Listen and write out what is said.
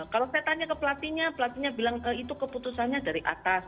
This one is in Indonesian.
kalau saya tanya ke pelatihnya pelatihnya bilang itu keputusannya dari atas